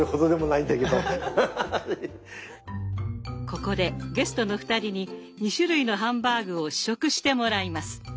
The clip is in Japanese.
ここでゲストの２人に２種類のハンバーグを試食してもらいます。